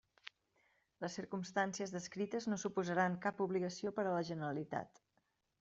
Les circumstàncies descrites no suposaran cap obligació per a la Generalitat.